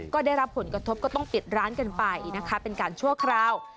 ก็ได้รับผลกระทบก็ต้องปิดร้านกันไปนะคะเป็นการชั่วคราว